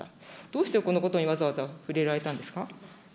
どうしてこのことにわざわざ触れられたんですか。